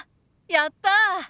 やった。